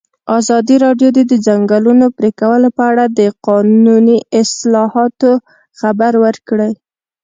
ازادي راډیو د د ځنګلونو پرېکول په اړه د قانوني اصلاحاتو خبر ورکړی.